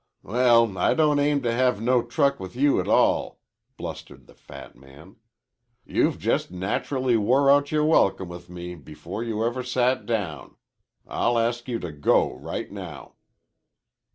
"Well, I don't aim to have no truck with you at all," blustered the fat man. "You've just naturally wore out yore welcome with me before ever you set down. I'll ask you to go right now."